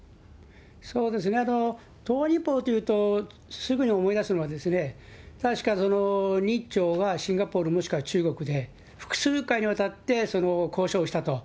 そうですね、東亜日報というと、すぐに思い出すのは、日朝がシンガポール、もしくは中国で複数回にわたって交渉をしたと。